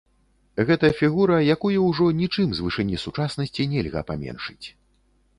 Гэта фігура, якую ўжо нічым з вышыні сучаснасці нельга паменшыць.